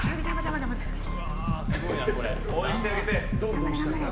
応援してあげて！